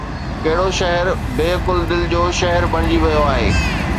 ڪھڙو شھر بي عقل دل جو شھر بڻجي ويو آھي؟